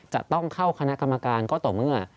จะต้องเข้าคณะกรรมการก็ต่อเมื่อ